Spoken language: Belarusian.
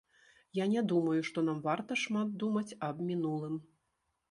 Я не думаю, што нам варта шмат думаць аб мінулым.